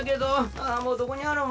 ああもうどこにあるん？